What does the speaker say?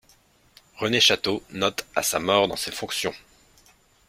René Château note à sa mort dans ces fonctions.